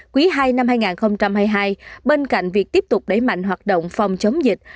quý ii năm hai nghìn hai mươi hai bên cạnh việc tiếp tục đẩy mạnh hoạt động phòng chống dịch